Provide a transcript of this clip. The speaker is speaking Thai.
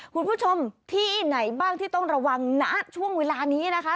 คุณผู้ชมที่ไหนบ้างที่ต้องระวังณช่วงเวลานี้นะคะ